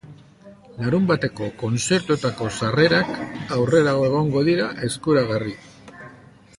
Larunbateko kontzertuetarako sarrerak aurrerago egongo dira eskuragarri.